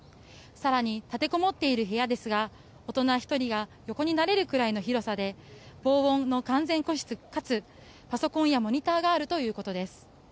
更に立てこもっている部屋ですが大人１人が横になれるくらいの広さで防音の完全個室かつ、パソコンやモニターがあるということです。